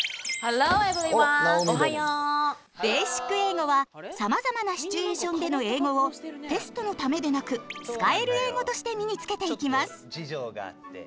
「ベーシック英語」はさまざまなシチュエーションでの英語をテストのためでなく使える英語として身につけていきます。